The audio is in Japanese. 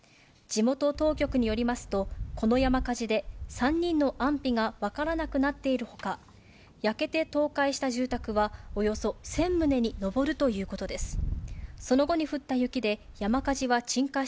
地元当局によりますと、この山火事で３人の安否が分からなくなっているほか、焼けて倒壊した住宅は、およそ１０００棟に上るということです。